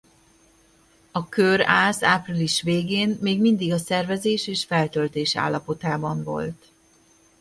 A Kőr-Ász április végén még mindig a szervezés és feltöltés állapotában volt.